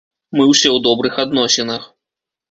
Мы ўсе ў добрых адносінах.